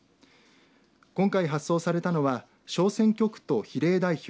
今回発送されたのは小選挙区と比例代表